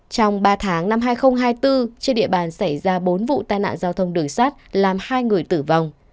trong ba tháng năm hai nghìn hai mươi bốn trên địa bàn xảy ra bốn vụ tai nạn giao thông đường sát làm hai người tử vong